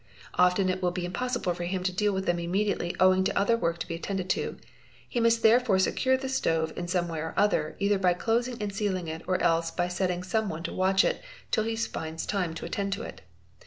Often it will be im possible for him to deal with them immediately owing to other work to be attended to. He must therefore secure the stove in some way or _ other, either by closing and sealing it or else by setting some one to _ watch it, till he finds time to attend to it.